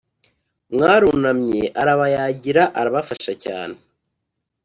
mwarunamye arabayagira arabafasha cyane